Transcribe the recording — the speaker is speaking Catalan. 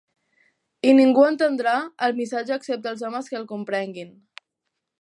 I ningú entendrà el missatge excepte els homes que el comprenguin.